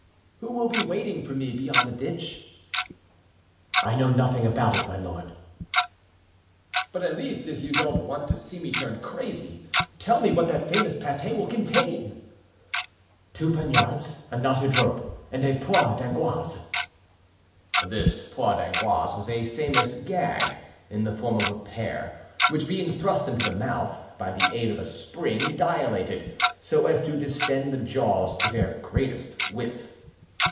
"Who will be waiting for me beyond the ditch?" "I know nothing about it, my lord." "But at least, if you don't want to see me turn crazy, tell what that famous pate will contain." "Two poniards, a knotted rope and a poire d'angoisse." This poire d'angoisse was a famous gag, in the form of a pear, which, being thrust into the mouth, by the aid of a spring, dilated, so as to distend the jaws to their greatest width.